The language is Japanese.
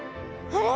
あれ？